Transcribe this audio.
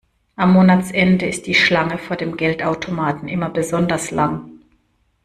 Am Monatsende ist die Schlange vor dem Geldautomaten immer besonders lang.